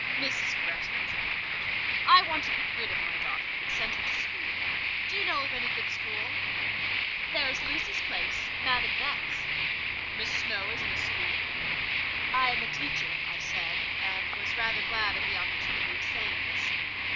"Mrs. Bretton," said the Count, "I want to get rid of my daughter—to send her to school. Do you know of any good school?" "There is Lucy's place—Madame Beck's." "Miss Snowe is in a school?" "I am a teacher," I said, and was rather glad of the opportunity of saying this.